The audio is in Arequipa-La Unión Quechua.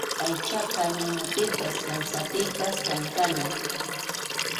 Aychaqa ninapipas sansapipas kankanam.